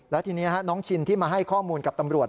และทีนี้น้องชินที่มาให้ข้อมูลกับตำรวจ